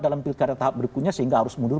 dalam pilkada tahap berikutnya sehingga harus mundur